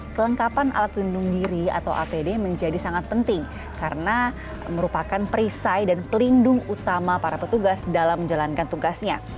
kelengkapan alat pelindung diri atau apd menjadi sangat penting karena merupakan perisai dan pelindung utama para petugas dalam menjalankan tugasnya